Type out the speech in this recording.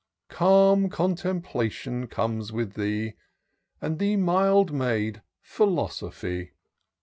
Calm Contemplation comes with thee, And the mild maid, — Philosophy